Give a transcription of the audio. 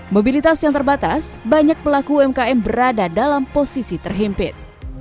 mobilitas yang terbatas banyak pelaku umkm berada dalam posisi terhimpit